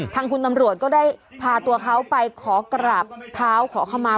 ทางคุณตำรวจก็ได้พาตัวเขาไปขอกราบเท้าขอเข้ามา